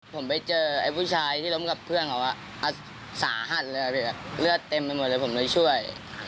ผมไปเจอไอ้ผู้ชายที่ล้มกับเพื่อนเขาสาหัสเลยเลือดเต็มไปหมดเลยผมเลยช่วย